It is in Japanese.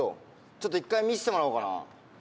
ちょっと一回見してもらおうかな。